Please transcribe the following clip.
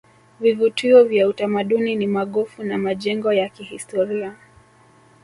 vivutio vya utamaduni ni magofu na majengo ya kihistoria